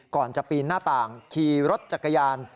ก่อนจะปีนหน้าต่างขี่รถจักรยาน